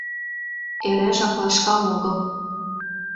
Эрежак лашка огыл...